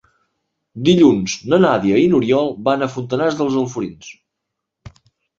Dilluns na Nàdia i n'Oriol van a Fontanars dels Alforins.